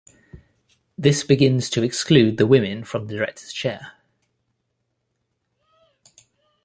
This begins to exclude the women from the director's chair.